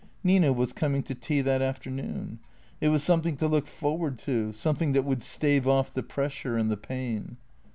Nina was coming to tea that afternoon. It was something to look forward to, something that would stave off the pressure and the pain.